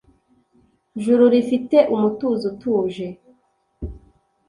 juru rifite umutuzo utuje,